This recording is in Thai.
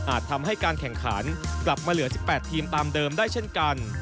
ทำให้การแข่งขันกลับมาเหลือ๑๘ทีมตามเดิมได้เช่นกัน